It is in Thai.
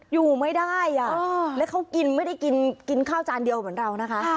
อยู่ไม่ได้แล้วเขากินไม่ได้กินข้าวจานเดียวเหมือนเรานะคะ